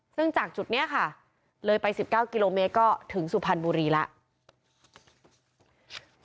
ซึ่งจากจุดนี้ค่ะเลยไป๑๙กิโลเมตรก็ถึงสุพรรณบุรีแล้ว